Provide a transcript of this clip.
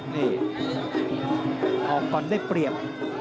นี่ออกก่อนได้เปรียบ